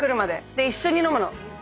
で一緒に飲むの。